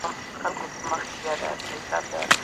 تعليم شوې نجونې د ګډو نوښتونو همکاري زياتوي.